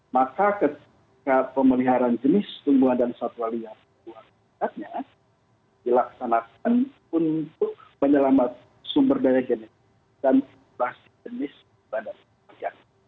maka ketika pemeliharaan jenis tumbuhan dan satwa liar di luar habitatnya dilaksanakan untuk menyelamat sumber daya jenis dan plastik jenis di luar habitat